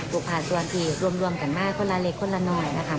ผ่านส่วนที่รวมกันมาคนละเล็กคนละหน่อยนะคะ